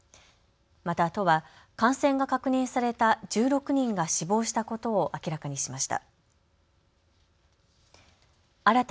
また都は感染が確認された１６人が死亡したことを明らかにしました。